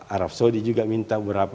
arab saudi juga minta beberapa